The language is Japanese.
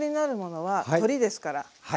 はい。